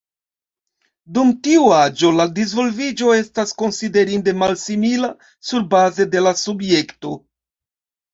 Dum tiu aĝo la disvolviĝo estas konsiderinde malsimila surbaze de la subjekto.